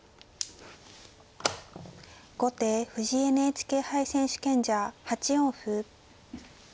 後手藤井ＮＨＫ杯選手権者８四歩。